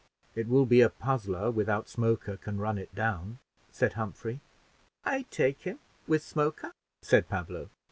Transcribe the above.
"It will be a puzzler, without Smoker can run it down," said Humphrey. "I take him, with Smoker," said Pablo.